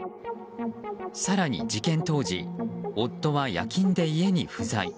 更に、事件当時夫は夜勤で家に不在。